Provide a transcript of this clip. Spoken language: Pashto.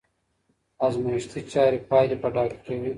ازمایښتي چارې پایلې په ډاګه کوي.